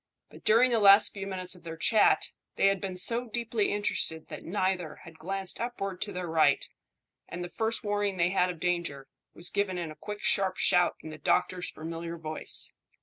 But during the last few minutes of their chat they had been so deeply interested that neither had glanced upward to their right, and the first warning they had of danger was given in a quick sharp shout in the doctor's familiar voice.